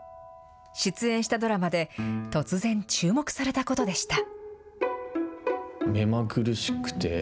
出演したドラマで突然、注目されたことでした。